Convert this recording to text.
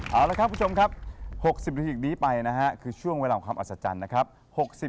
เอาละครับคุณผู้ชมครับ๖๐นาทีนี้ไปนะฮะคือช่วงเวลาของความอัศจรรย์นะครับ